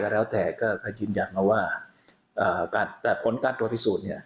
แล้วแต่ก็ยืนยันมาว่าแต่ผลการตรวจพิสูจน์เนี่ย